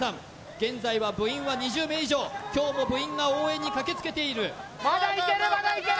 現在は部員は２０名以上今日も部員が応援に駆けつけているまだいけるまだいける！